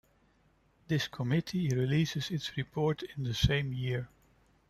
This Committee released its report in the same year.